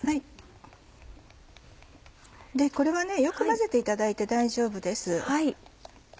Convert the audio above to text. これはよく混ぜていただいて大丈夫です。